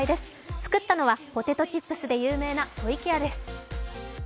作ったのはポテトチップスで有名な湖池屋です。